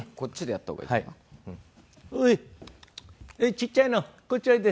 ちっちゃいのこっちおいで。